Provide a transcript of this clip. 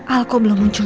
aku bisa dinewar dulu